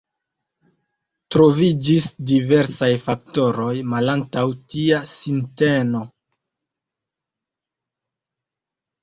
Troviĝis diversaj faktoroj malantaŭ tia sinteno.